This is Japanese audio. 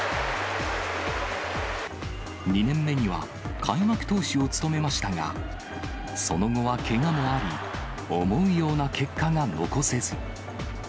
２年目には、開幕投手を務めましたが、その後はけがもあり、思うような結果が残せず。